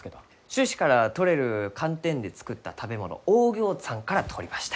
種子からとれるカンテンで作った食べ物オーギョーツァンから取りました。